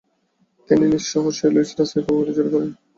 তিনি নিজ শহর সেন্ট লুইসে রাজনৈতিক কর্মকাণ্ডে জড়িয়ে পড়েন।